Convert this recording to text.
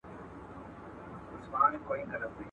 روغتيائي پوهان د ناروغانو مسؤليت مني.